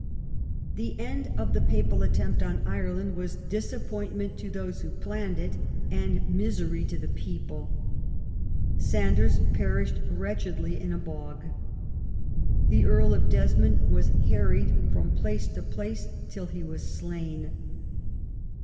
The end of the Papal attempt on Ireland was disappointment to those who planned it, and misery to the people. Sanders perished wretchedly in a bog. The Earl of Desmond was harried from place to place till he was slain.